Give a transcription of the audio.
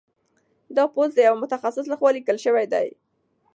دا پوسټ د یو متخصص لخوا لیکل شوی دی.